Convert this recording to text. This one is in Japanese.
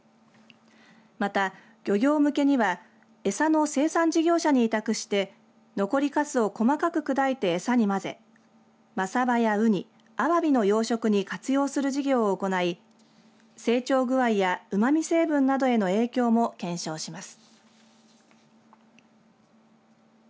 また漁業向けには餌の生産事業者に委託して残りかすを細かく砕いて餌に混ぜマサバやウニ、アワビの養殖に活用する事業を行い成長具合やうまみ成分などへの影響も検証します。